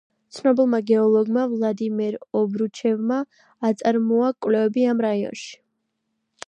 ცნობილმა გეოლოგმა ვლადიმერ ობრუჩევმა აწარმოა კვლევები ამ რაიონში.